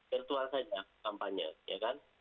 virtual saja kampanye ya kan